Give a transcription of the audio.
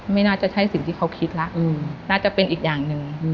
ไม่น่าจะใช่สิ่งที่เขาคิดแล้วน่าจะเป็นอีกอย่างหนึ่ง